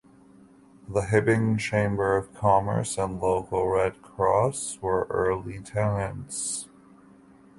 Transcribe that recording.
The Hibbing Chamber of Commerce and local Red Cross were early tenants.